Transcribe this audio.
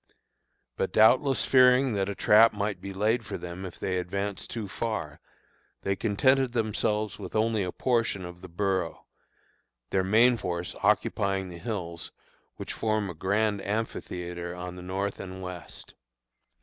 But doubtless fearing that a trap might be laid for them if they advanced too far, they contented themselves with only a portion of the borough, their main force occupying the hills which form a grand amphitheatre on the north and west.